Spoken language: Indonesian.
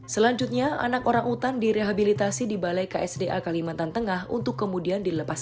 selanjutnya anak orang utan direhabilitasi di balai ksda kalimantan tengah untuk kemudian dilepas